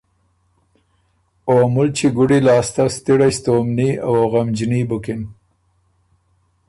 او مُلچی ګُډی لاسته ستِړئ ستومني او غمجني بُکِن